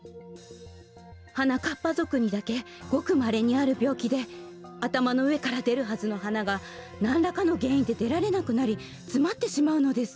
はなかっぱぞくにだけごくまれにあるびょうきであたまのうえからでるはずの花がなんらかのげんいんででられなくなりつまってしまうのです。